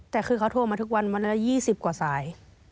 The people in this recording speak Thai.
แต่คือเขาโทรมาทุกวันวันละ๒๐กว่าสาย